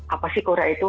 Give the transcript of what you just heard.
apa sih korea itu